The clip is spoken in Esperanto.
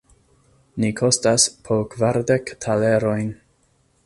Ni kostas po kvardek talerojn!